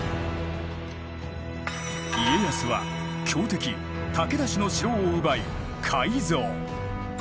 家康は強敵武田氏の城を奪い改造。